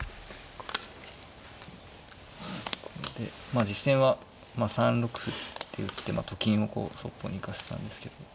まあ実戦は３六歩って打ってと金をそっぽに行かせたんですけど。